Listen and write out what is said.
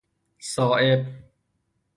صائب